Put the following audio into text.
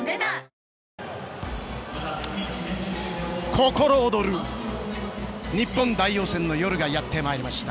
心躍る、日本代表戦の夜がやってまいりました。